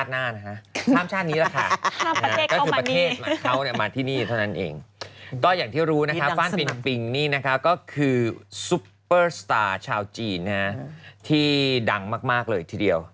ก็อย่างที่รู้นะคะฟ่านปินปิงนี่นะคะก็คือซุปเปอร์สตาร์ชาวจีนที่ดังมากเลยทีเดียว